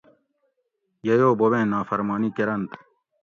ییو بوبیں نافرمانی کرنت